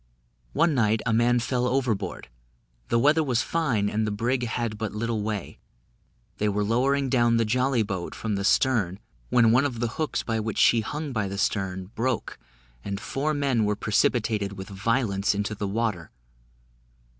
One night, a man fell overboard the weather was fine, and the brig had but little way; they were lowering down the jolly boat from the stern, when one of the hooks by which she hung by the stern, broke, and four men were precipitated with violence into the water.